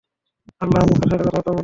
আল্লাহ মূসার সাথে কথাবার্তা বলেছেন।